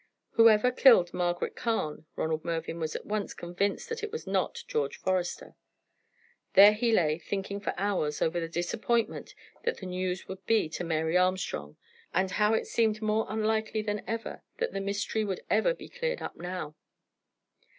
Whoever killed Margaret Carne, Ronald Mervyn was at once convinced that it was not George Forester. There he lay, thinking for hours over the disappointment that the news would be to Mary Armstrong, and how it seemed more unlikely than ever that the mystery would ever be cleared up now.